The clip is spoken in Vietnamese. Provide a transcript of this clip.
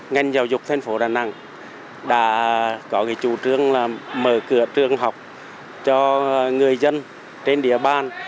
ngành giáo dục thành phố đà nẵng đã có chủ trương là mở cửa trường học cho người dân trên địa bàn